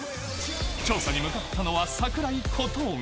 調査に向かったのは櫻井、小峠。